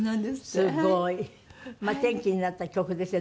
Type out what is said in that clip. すごい。転機になった曲ですね